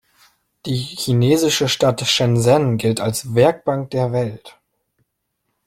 Die chinesische Stadt Shenzhen gilt als „Werkbank der Welt“.